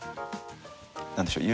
何でしょう